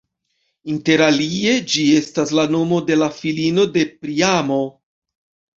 Interalie ĝi estas la nomo de la filino de Priamo.